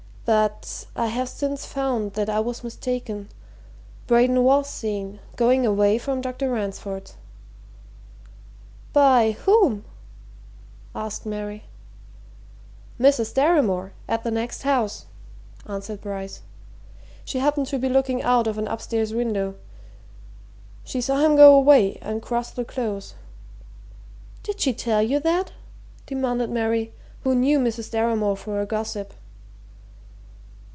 But I have since found that I was mistaken. Braden was seen going away from Dr. Ransford's." "By whom?" asked Mary. "Mrs. Deramore at the next house," answered Bryce. "She happened to be looking out of an upstairs window. She saw him go away and cross the Close." "Did she tell you that?" demanded Mary, who knew Mrs. Deramore for a gossip.